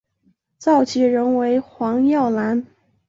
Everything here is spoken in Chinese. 召集人为黄耀南。